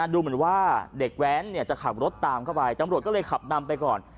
ดูเหมือนว่าเด็กแว้นจะขับรถตามเข้าไปตำรวจก็เลยขับนำไปก่อน